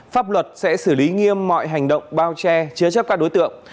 pháp luật sẽ xử lý nghiêm mọi hành động bao che chứa chấp các đối tượng